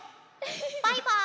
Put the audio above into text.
バイバーイ！